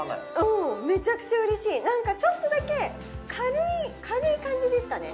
うんめちゃくちゃ嬉しいなんかちょっとだけ軽い軽い感じですかね